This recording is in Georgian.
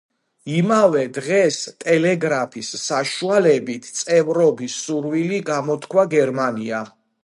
იმავე დღეს, ტელეგრაფის საშუალებით, წევრობის სურვილი გამოთქვა გერმანიამ.